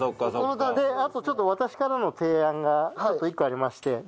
であとちょっと私からの提案が一個ありまして。